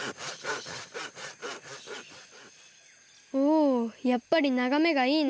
おやっぱりながめがいいな。